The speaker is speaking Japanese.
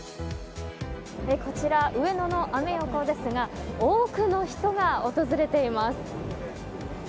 こちら上野のアメ横ですが多くの人が訪れています。